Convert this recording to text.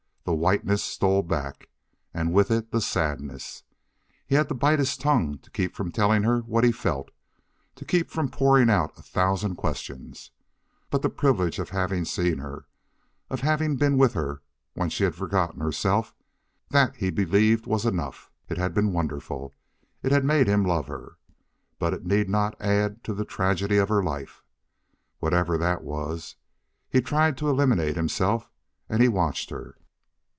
The whiteness stole back, and with it the sadness. He had to bite his tongue to keep from telling her what he felt, to keep from pouring out a thousand questions. But the privilege of having seen her, of having been with her when she had forgotten herself that he believed was enough. It had been wonderful; it had made him love her But it need not add to the tragedy of her life, whatever that was. He tried to eliminate himself. And he watched her.